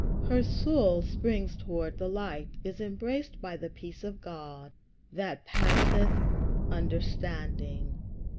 Her soul springs toward the light; is embraced by the peace of God that passeth understanding.